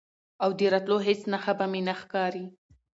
او د راتلو هیڅ نښه به مې نه ښکاري،